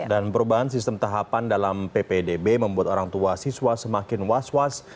dan perubahan sistem tahapan dalam ppdb membuat orang tua siswa semakin was was